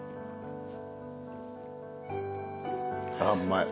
あっうまい。